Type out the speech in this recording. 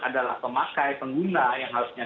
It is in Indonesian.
adalah pemakai pengguna yang harusnya